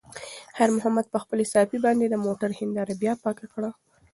خیر محمد په خپلې صافې باندې د موټر هینداره بیا پاکه کړه.